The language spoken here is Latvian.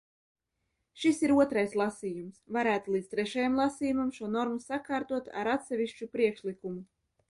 Šis ir otrais lasījums, varētu līdz trešajam lasījumam šo normu sakārtot ar atsevišķu priekšlikumu.